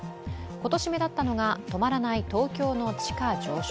今年目立ったのが、止まらない東京の地価上昇。